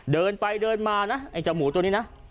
เดินไปเดินมานะไอ้เจ้าหมูตัวนี้นะ